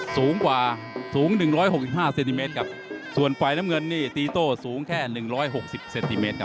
สูงกว่าสูง๑๖๕เซนติเมตรครับส่วนไฟล์น้ำเงินนี่ตีโต้สูงแค่๑๖๐เซนติเมตรครับ